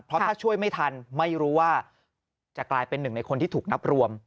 เพราะถ้าช่วยไม่ทันไม่รู้ว่าจะกลายเป็นหนึ่งในคนที่ถูกนับรวม